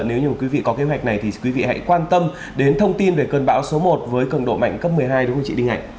nếu như quý vị có kế hoạch này thì quý vị hãy quan tâm đến thông tin về cơn bão số một với cường độ mạnh cấp một mươi hai đúng không chị đinh hạnh